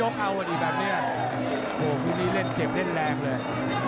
โอ้วพี่นี่เล่นเจ็บเล่นแรงเลย